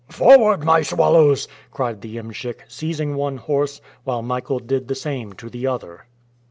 "Forward, my swallows!" cried the iemschik, seizing one horse, while Michael did the same to the other.